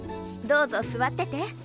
どうぞ座ってて。